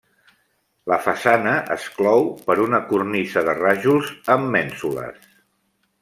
La façana es clou per una cornisa de rajols amb mènsules.